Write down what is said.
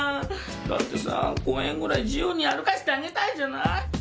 だってさ公園ぐらい自由に歩かせてあげたいじゃない？